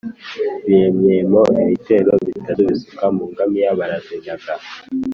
biremyemo ibitero bitatu bisuka mu ngamiya barazinyaga